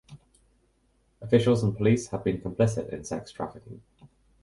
Officials and police have been complicit in sex trafficking.